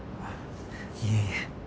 いえいえ。